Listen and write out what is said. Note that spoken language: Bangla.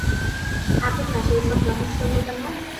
থাকুক না সেই সব রহস্য লুকানো।